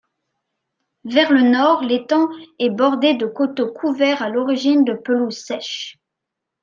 Vers le Nord, l’étang est bordé de coteaux couverts à l’origine de pelouses sèches.